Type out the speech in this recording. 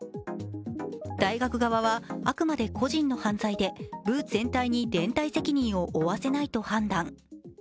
大学側はあくまで個人の犯罪で部全体に連帯責任を負わせないと判断。